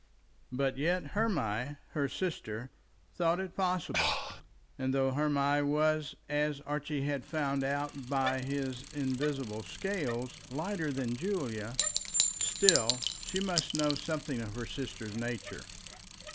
But yet Hermy, her sister, thought it possible; and though Hermy was, as Archie had found out by his invisible scales, lighter than Julia, still she must know something of her sister's nature.